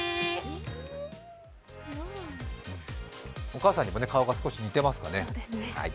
お母さんにも顔が少し似ていますね。